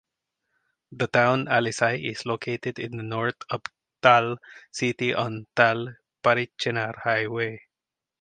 The town Alizai is located in the North of Thall city on Thall-Parachinar Highway.